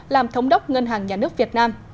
làm thống đốc ngân hàng nhà nước việt nam